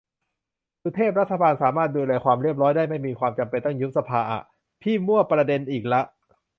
สุเทพ :"รัฐบาลสามารถดูแลความเรียบร้อยได้ ไม่มีความจำเป็นต้องยุบสภา" อ่ะ พี่มั่วประเด็นอีกละ